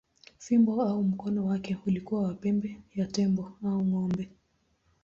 Fimbo au mkono wake ulikuwa wa pembe ya tembo au ng’ombe.